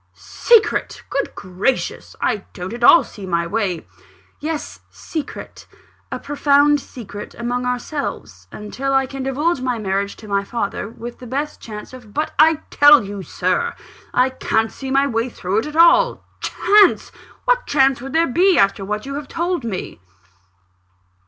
"Secret! Good gracious, I don't at all see my way " "Yes, secret a profound secret among ourselves, until I can divulge my marriage to my father, with the best chance of " "But I tell you, Sir, I can't see my way through it at all. Chance! what chance would there be, after what you have told me?"